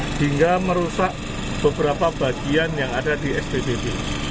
sehingga merusak beberapa bagian yang ada di spbd